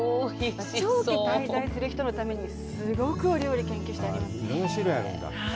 長期滞在する人のためにすごくお料理を研究してあります。